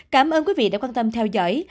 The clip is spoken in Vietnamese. cảm ơn quý vị đã quan tâm theo dõi